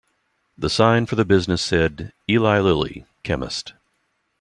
The sign for the business said "Eli Lilly, Chemist".